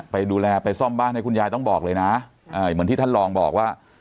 ไปดูแลไปซ่อมบ้านให้คุณยายต้องบอกเลยนะเหมือนที่ท่านลองบอกว่า